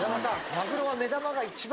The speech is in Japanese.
マグロは目玉が一番。